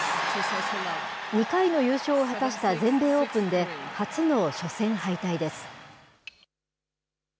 ２回の優勝を果たした全米オープンで、初の初戦敗退です。